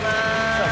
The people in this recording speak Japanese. さあ